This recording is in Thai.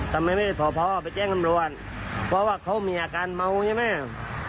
ทำไมไม่ได้สอบพ่อไปแจ้งตำรวจเพราะว่าเขามีอาการเมาใช่ไหม